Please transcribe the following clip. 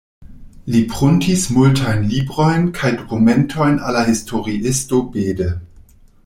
Li pruntis multajn librojn kaj dokumentojn al la historiisto Bede.